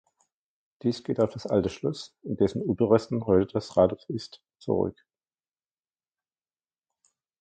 Dies geht auf das alte Schloss, in dessen Überresten heute das Rathaus ist, zurück.